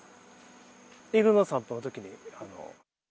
犬の散歩のときに。